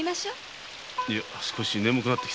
いや少し眠くなってきた。